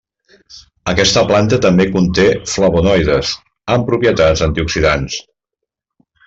Aquesta planta també conté flavonoides, amb propietats antioxidants.